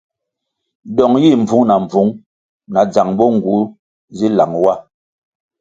Dong yih mbvung na mbvung na dzang bo nğu si lang wa.